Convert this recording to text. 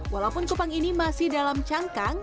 walaupun kupang ini masih dalam cangkang